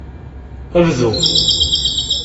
Bdu!